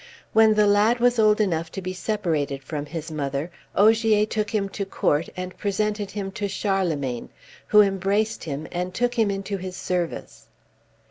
When the lad was old enough to be separated from his mother, Ogier took him to court and presented him to Charlemagne, who embraced him and took him into his service.